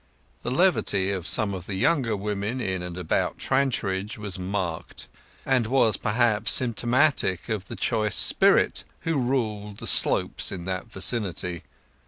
The levity of some of the younger women in and about Trantridge was marked, and was perhaps symptomatic of the choice spirit who ruled The Slopes in that vicinity.